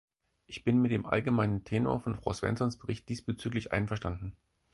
Ich bin mit dem allgemeinen Tenor von Frau Svenssons Bericht diesbezüglich einverstanden.